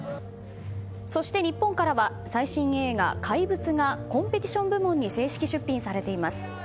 そして日本からは最新映画「怪物」がコンペティション部門に正式出品されています。